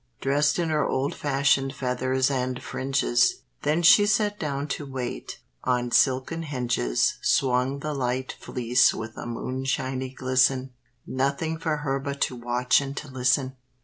Dressed in her old fashioned feathers and fringes, Then she sat down to wait; on silken hinges Swung the light fleece with a moonshiny glisten; Nothing for her but to watch and to listen.